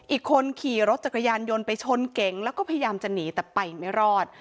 อีกคนขี่รถจักรยานยนต์ไปชนเก่งแล้วก็พยายามจะหนีแต่ไปไม่รอด